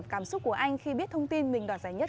cảm xúc của anh khi biết thông tin mình đoạt giải nhất